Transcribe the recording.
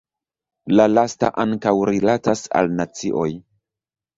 La lasta ankaŭ rilatas al nacioj.